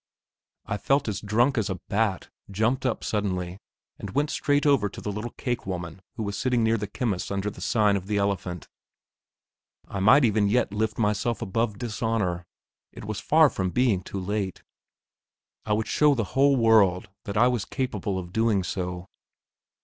I felt as drunk as a bat, jumped up suddenly, and went straight over to the cake woman who was sitting near the chemist's under the sign of the elephant. I might even yet lift myself above dishonour; it was far from being too late; I would show the whole world that I was capable of doing so.